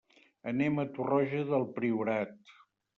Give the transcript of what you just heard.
Anem a Torroja del Priorat.